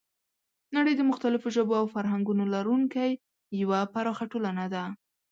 نړۍ د مختلفو ژبو او فرهنګونو لرونکی یوه پراخه ټولنه ده.